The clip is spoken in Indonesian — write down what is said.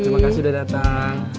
terima kasih udah dateng